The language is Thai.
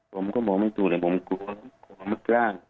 ผมก็ไม่รู้เลยผมกลัวไม่กล้า